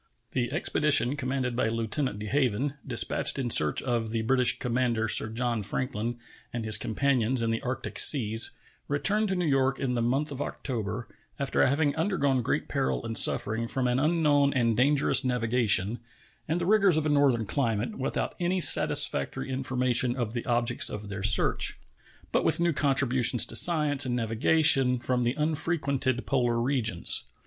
The expedition commanded by Lieutenant De Haven, dispatched in search of the British commander Sir John Franklin and his companions in the Arctic Seas, returned to New York in the month of October, after having undergone great peril and suffering from an unknown and dangerous navigation and the rigors of a northern climate, without any satisfactory information of the objects of their search, but with new contributions to science and navigation from the unfrequented polar regions.